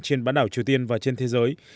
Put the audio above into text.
trên bãn đảo triều tiên và trên thế giới